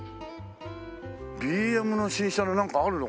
ＢＭの新車のなんかあるの？